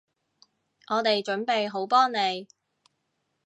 我哋準備好幫你